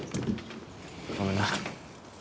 ごめんな。